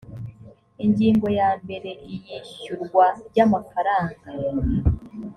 ingingo ya mbere iyishyurwa ry amafaranga